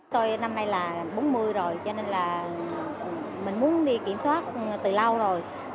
tôi năm nay là bốn mươi rồi cho nên là mình muốn đi kiểm soát từ lâu rồi